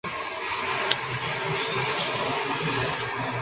A su vez, fue sustituido por Ryan Bader.